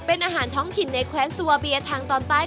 เป็นอาหารท้องถิ่นในแว้นซูวาเบียทางตอนใต้